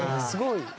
すごい。